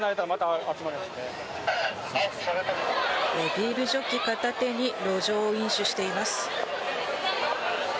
ビールジョッキ片手に路上飲酒しています。